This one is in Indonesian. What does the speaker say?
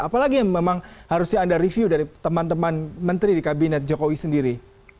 apalagi yang memang harusnya anda review dari teman teman menteri di kabinet jokowi sendiri